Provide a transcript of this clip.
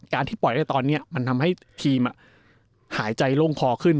ที่ปล่อยได้ตอนนี้มันทำให้ทีมหายใจโล่งคอขึ้น